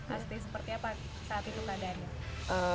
asti seperti apa saat itu keadaannya